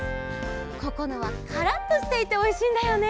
ここのはカラッとしていておいしいんだよね。